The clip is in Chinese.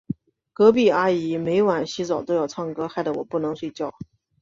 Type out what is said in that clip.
隔壁阿姨每晚洗澡都要唱歌，害得我不能睡觉。